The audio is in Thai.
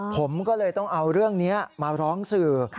ผมก็เลยต้องเอาเรื่องนี้มาร้องสื่อ